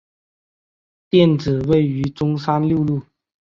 店址位于中山六路。